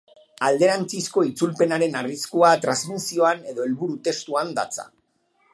Alderantzizko itzulpenaren arriskua transmisioan edo helburu testuan datza.